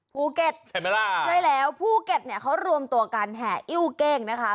ภูเก็ตใช่ไหมล่ะใช่แล้วภูเก็ตเนี่ยเขารวมตัวกันแห่อิ้วเก้งนะคะ